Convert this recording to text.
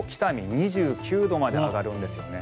２９度まで上がるんですよね。